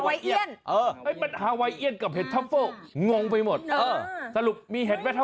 วิทยาลัยศาสตร์อัศวิทยาลัยศาสตร์